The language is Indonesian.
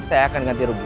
saya akan ganti rugi